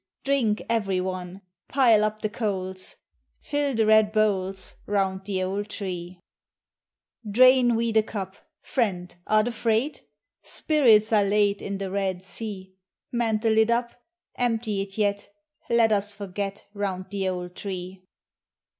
Drink, every one; Pile up the coals; Fill the red bowls. Kound the old tree ! Drain we the cup, — Friend, art afraid? Spirits are laid In the Red Sea. FRIENDSHIP. 393 Mantle it up; Empty it yet ; Let us forget, Round the old tree!